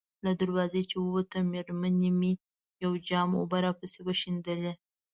له دروازې چې ووتم، مېرمنې مې یو جام اوبه راپسې وشیندلې.